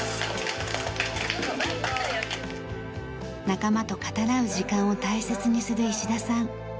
仲間と語らう時間を大切にする石田さん。